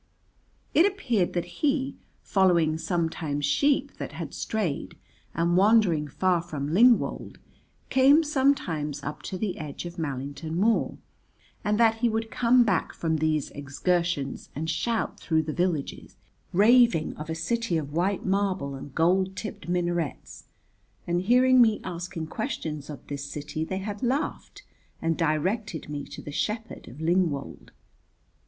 It appeared that he, following sometimes sheep that had strayed, and wandering far from Lingwold, came sometimes up to the edge of Mallington Moor, and that he would come back from these excursions and shout through the villages, raving of a city of white marble and gold tipped minarets. And hearing me asking questions of this city they had laughed and directed me to the shepherd of Lingwold.